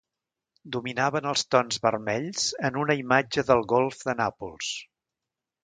Dominaven els tons vermells en una imatge del golf de Nàpols...